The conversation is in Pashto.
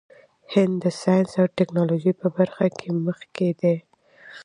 هند د ساینس او ټیکنالوژۍ په برخه کې مخکې دی.